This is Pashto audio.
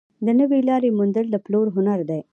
د نوې لارې موندل د پلور هنر دی.